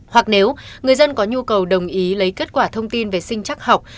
hoặc nếu người dân có nhu cầu đồng ý lấy kết quả thông tin về sinh chắc học